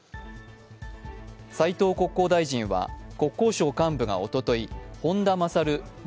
斉藤国交大臣は国交省幹部がおととい本田勝元